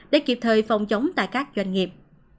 để kịp thời phòng chống tại các doanh nghiệp